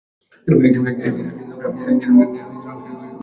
একদিন না একদিন পতন হবেই।